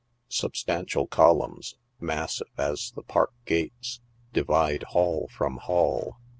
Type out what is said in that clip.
Substantial columns, massive as the park gates, divide hall from hall.